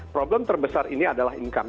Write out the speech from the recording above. problem terbesar ini adalah income